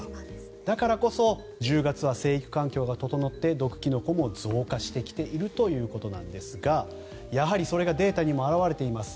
だからこそ１０月は生育環境が整って毒キノコも増加してきているということですがやはりそれがデータにも表れています。